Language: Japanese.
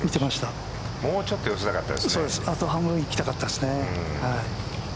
もうちょっとあと半分いきたかったですね。